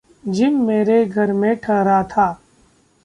Gym मेरे घर में ठहरा था।